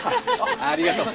ありがとう。